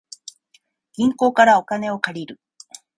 銀行からお金を借りる